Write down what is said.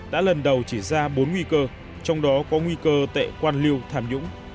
đã lần đầu chỉ ra bốn nguy cơ trong đó có nguy cơ tệ quan liêu tham nhũng